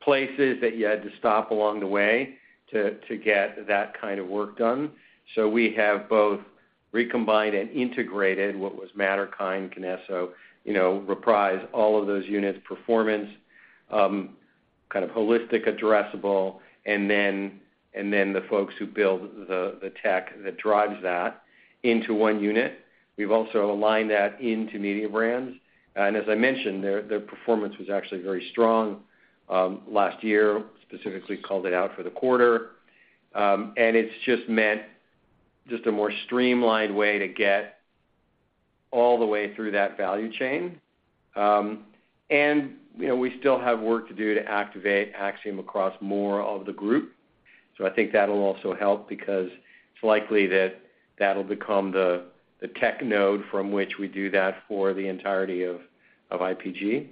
places that you had to stop along the way to get that kind of work done. So we have both recombined and integrated what was Matterkind, KINESSO, you know, Reprise, all of those units, Performance, kind of holistic, addressable, and then, and then the folks who build the, the tech that drives that into one unit. We've also aligned that into media brands. And as I mentioned, their, their performance was actually very strong, last year, specifically called it out for the quarter. And it's just meant just a more streamlined way to get all the way through that value chain. And, you know, we still have work to do to activate Acxiom across more of the group. So I think that'll also help because it's likely that that'll become the, the tech node from which we do that for the entirety of, of IPG.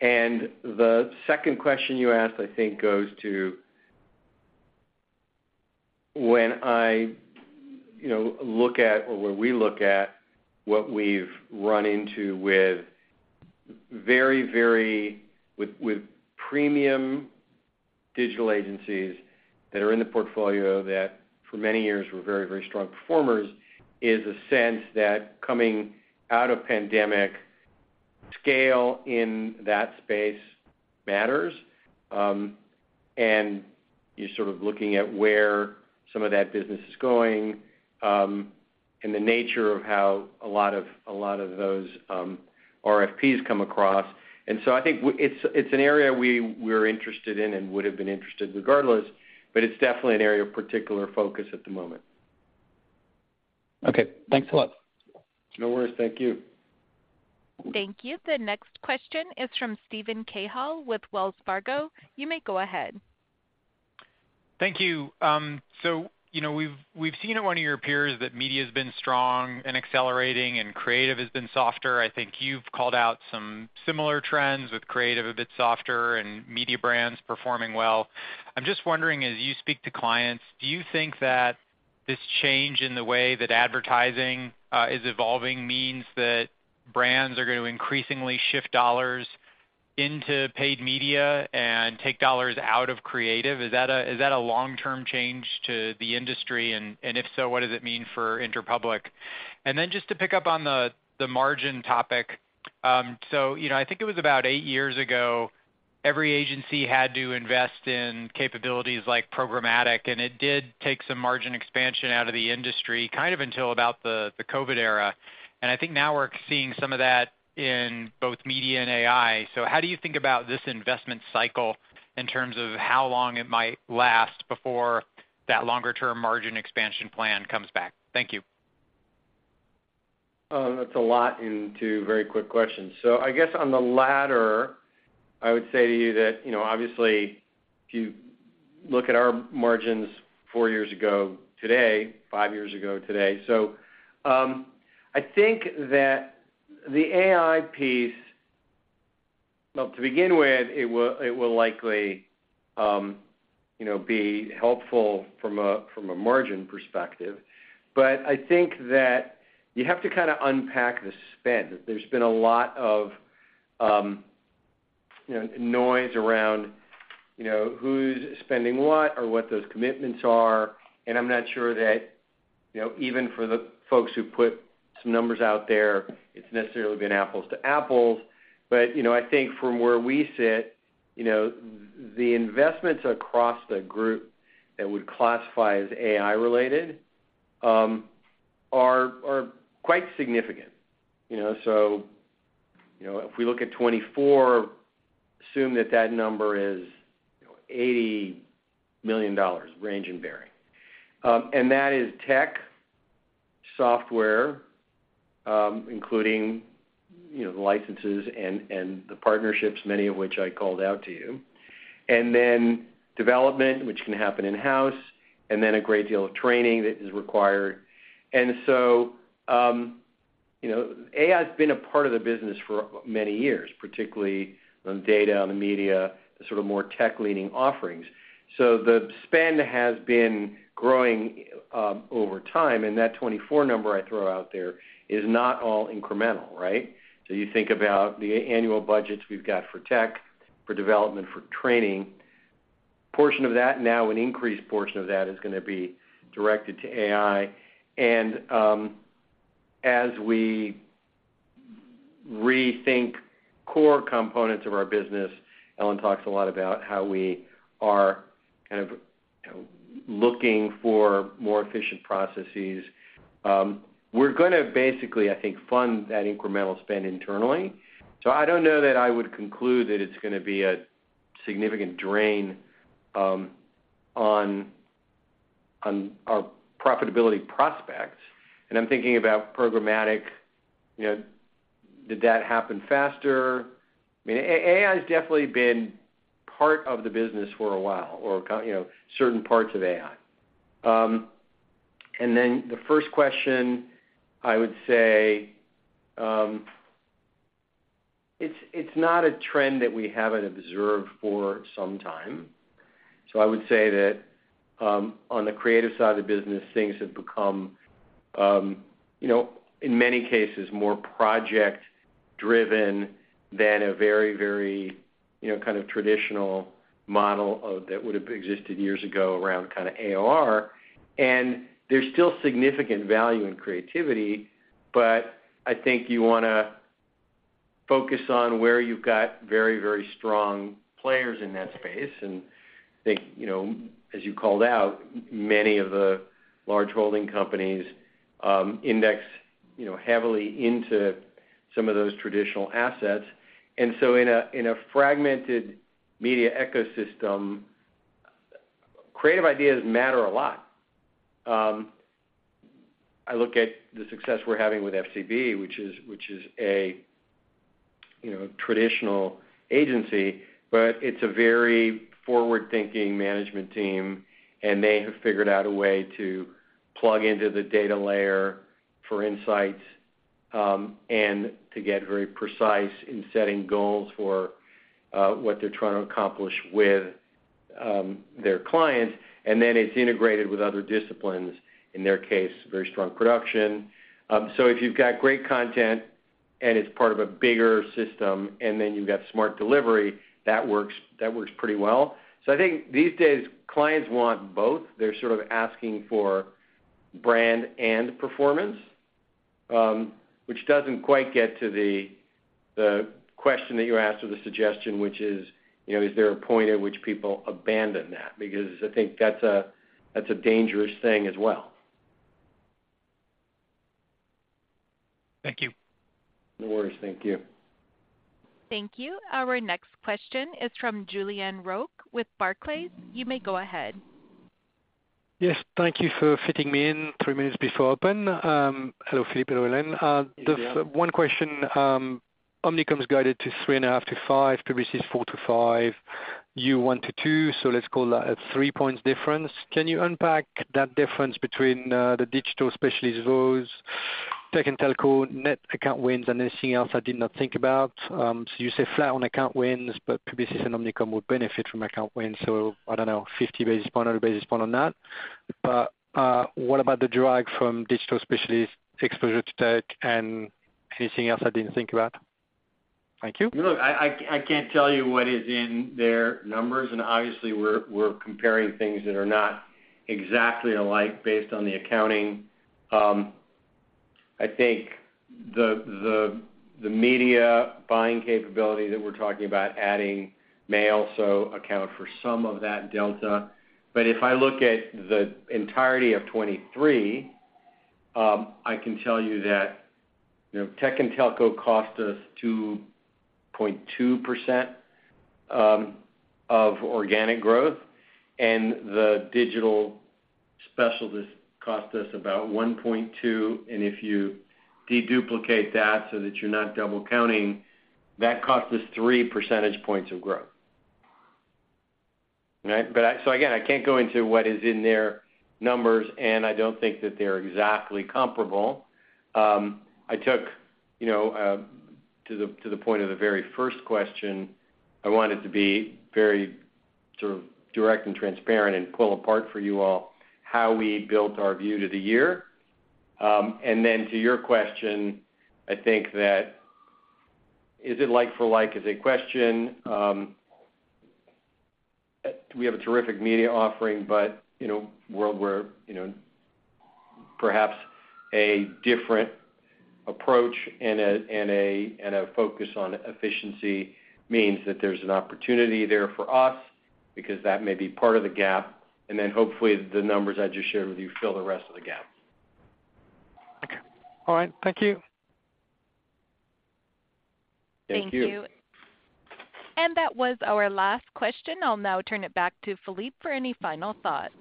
And the second question you asked, I think, goes to when I, you know, look at, or when we look at what we've run into with very, very—with premium digital agencies that are in the portfolio that for many years were very, very strong performers: is a sense that coming out of pandemic, scale in that space matters. And you're sort of looking at where some of that business is going, and the nature of how a lot of, a lot of those RFPs come across. And so I think it's an area we're interested in and would have been interested regardless, but it's definitely an area of particular focus at the moment. Okay, thanks a lot. No worries. Thank you. Thank you. The next question is from Steven Cahall with Wells Fargo. You may go ahead. Thank you. So, you know, we've seen at one of your peers that media's been strong and accelerating, and creative has been softer. I think you've called out some similar trends, with creative a bit softer and media brands performing well. I'm just wondering, as you speak to clients, do you think that this change in the way that advertising is evolving means that brands are going to increasingly shift dollars into paid media and take dollars out of creative? Is that a long-term change to the industry? And if so, what does it mean for Interpublic? And then just to pick up on the margin topic, so, you know, I think it was about eight years ago, every agency had to invest in capabilities like programmatic, and it did take some margin expansion out of the industry, kind of until about the COVID era. And I think now we're seeing some of that in both media and AI. So how do you think about this investment cycle in terms of how long it might last before that longer-term margin expansion plan comes back? Thank you. That's a lot in two very quick questions. So I guess on the latter, I would say to you that, you know, obviously, if you look at our margins four years ago today, five years ago today. So, I think that the AI piece. Well, to begin with, it will, it will likely, you know, be helpful from a, from a margin perspective. But I think that you have to kind of unpack the spend. There's been a lot of, you know, noise around, you know, who's spending what or what those commitments are, and I'm not sure that, you know, even for the folks who put some numbers out there, it's necessarily been apples to apples. But, you know, I think from where we sit, you know, the investments across the group that we'd classify as AI-related, are, are quite significant. You know, so, you know, if we look at 2024, assume that that number is, you know, $80 million, range and varying. And that is tech, software, including, you know, the licenses and, and the partnerships, many of which I called out to you. And then development, which can happen in-house, and then a great deal of training that is required. And so, you know, AI's been a part of the business for many years, particularly on data, on the media, the sort of more tech-leaning offerings. So the spend has been growing, over time, and that 2024 number I throw out there is not all incremental, right? So you think about the annual budgets we've got for tech, for development, for training. Portion of that, now an increased portion of that, is gonna be directed to AI. As we rethink core components of our business, Ellen talks a lot about how we are kind of, you know, looking for more efficient processes. We're gonna basically, I think, fund that incremental spend internally. So I don't know that I would conclude that it's gonna be a significant drain on our profitability prospects, and I'm thinking about programmatic, you know, did that happen faster? I mean, AI has definitely been part of the business for a while, or, you know, certain parts of AI. And then the first question, I would say, it's not a trend that we haven't observed for some time. So I would say that, on the creative side of the business, things have become, you know, in many cases, more project-driven than a very, very, you know, kind of traditional model of that would have existed years ago around kind of AOR. And there's still significant value in creativity, but I think you wanna focus on where you've got very, very strong players in that space. And I think, you know, as you called out, many of the large holding companies index, you know, heavily into some of those traditional assets. And so in a fragmented media ecosystem, creative ideas matter a lot. I look at the success we're having with FCB, which is a, you know, traditional agency, but it's a very forward-thinking management team, and they have figured out a way to plug into the data layer for insights, and to get very precise in setting goals for, what they're trying to accomplish with, their clients. And then it's integrated with other disciplines, in their case, very strong production. So if you've got great content, and it's part of a bigger system, and then you've got smart delivery, that works, that works pretty well. So I think these days, clients want both. They're sort of asking for brand and performance, which doesn't quite get to the, the question that you asked, or the suggestion, which is, you know, is there a point at which people abandon that? Because I think that's a dangerous thing as well. Thank you. No worries. Thank you. Thank you. Our next question is from Julien Roch with Barclays. You may go ahead. Yes, thank you for fitting me in 3 minutes before open. Hello, Philippe. Hello, Ellen. Hey, Julien. Just one question. Omnicom's guided to 3.5%-5%, Publicis 4%-5%, you 1%-2%, so let's call that a 3-point difference. Can you unpack that difference between the digital specialist roles, tech and telco, net account wins, and anything else I did not think about? So you say flat on account wins, but Publicis and Omnicom would benefit from account wins, so I don't know, 50 basis point, 100 basis point on that. But what about the drag from digital specialist exposure to tech and anything else I didn't think about? Thank you. Look, I can't tell you what is in their numbers, and obviously, we're comparing things that are not exactly alike based on the accounting. I think the media buying capability that we're talking about adding may also account for some of that delta. But if I look at the entirety of 2023, I can tell you that, you know, tech and telco cost us 2.2% of organic growth, and the digital specialists cost us about 1.2%. And if you de-duplicate that so that you're not double counting, that cost us three percentage points of growth. Right? But so again, I can't go into what is in their numbers, and I don't think that they're exactly comparable. I took, you know, to the, to the point of the very first question, I wanted to be very sort of direct and transparent and pull apart for you all, how we built our view to the year. And then to your question, I think that is it like for like, is a question. We have a terrific media offering, but, you know, world where, you know, perhaps a different approach and a, and a, and a focus on efficiency means that there's an opportunity there for us because that may be part of the gap. And then hopefully, the numbers I just shared with you fill the rest of the gap. Okay. All right, thank you. Thank you. Thank you. That was our last question. I'll now turn it back to Philippe for any final thoughts.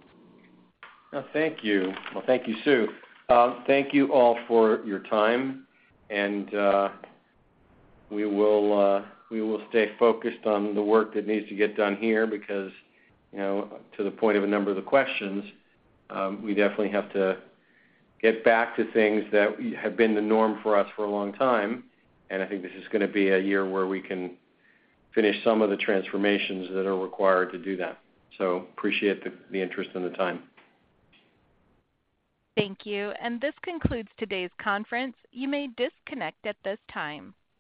Well, thank you. Well, thank you, Sue. Thank you all for your time, and we will stay focused on the work that needs to get done here because, you know, to the point of a number of the questions, we definitely have to get back to things that have been the norm for us for a long time, and I think this is gonna be a year where we can finish some of the transformations that are required to do that. So appreciate the interest and the time. Thank you. And this concludes today's conference. You may disconnect at this time.